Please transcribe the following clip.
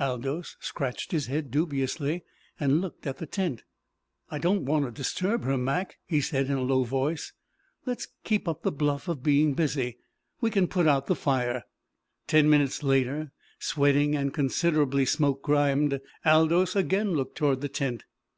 Aldous scratched his head dubiously, and looked at the tent. "I don't want to disturb her, Mac," he said in a low voice. "Let's keep up the bluff of being busy. We can put out the fire." Ten minutes later, sweating and considerably smokegrimed, Aldous again looked toward the tent.